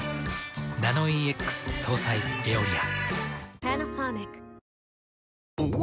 ナノイーＸ搭載「エオリア」。